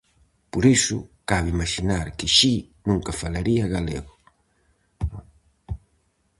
Por iso, cabe imaxinar que Xi nunca falaría galego.